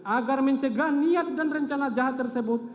agar mencegah niat dan rencana jahat tersebut